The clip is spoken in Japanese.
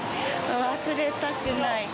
忘れたくない。